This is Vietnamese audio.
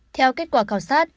theo kết quả khảo sát